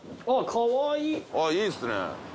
あっいいですね。